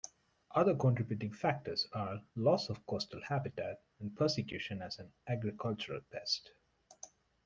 Other contributing factors are loss of coastal habitat and persecution as an agricultural pest.